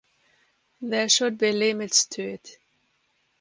There should be limits to it.